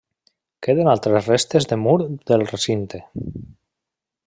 Queden altres restes de mur del recinte.